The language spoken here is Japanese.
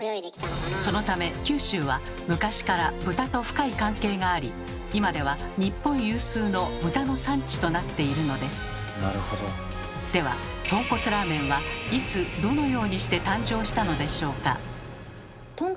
そのため九州は昔から豚と深い関係があり今では日本有数のではとんこつラーメンはいつどのようにして誕生したのでしょうか？